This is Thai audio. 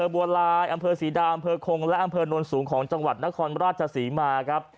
บวาลายสีดาคงโนนสูงนครราชสีมา